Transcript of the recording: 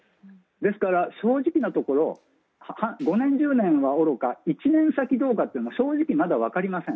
ですから、正直なところ５年、１０年はおろか１年先はどうかというのも正直まだ分かりません。